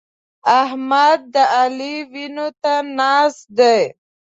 احمد د علي وينو ته ناست دی.